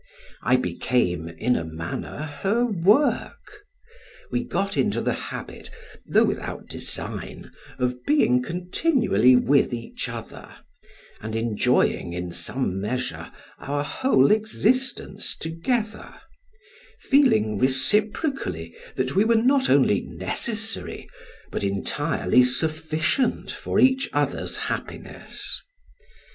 I became in a manner her work; we got into the habit, though without design, of being continually with each other, and enjoying, in some measure, our whole existence together, feeling reciprocally that we were not only necessary, but entirely sufficient for each other's happiness.